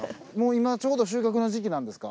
今ちょうど収穫の時期なんですか？